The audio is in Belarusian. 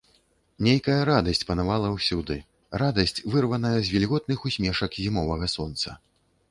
Нейкая радасць панавала ўсюды, радасць, вырваная з вільготных усмешак зімовага сонца.